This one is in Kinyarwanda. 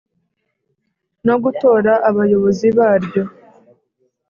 no gutora abayobozi baryo